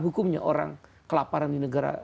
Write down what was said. hukumnya orang kelaparan di negara